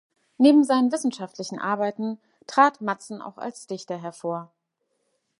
Neben seinen wissenschaftlichen Arbeiten trat Matzen auch als Dichter hervor.